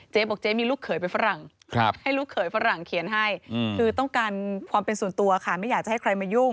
บอกเจ๊มีลูกเขยเป็นฝรั่งให้ลูกเขยฝรั่งเขียนให้คือต้องการความเป็นส่วนตัวค่ะไม่อยากจะให้ใครมายุ่ง